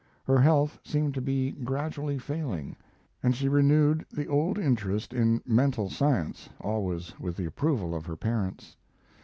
Her health seemed to be gradually failing, and she renewed the old interest in mental science, always with the approval of her parents.